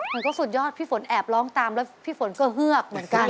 มันก็สุดยอดพี่ฝนแอบร้องตามแล้วพี่ฝนก็เฮือกเหมือนกัน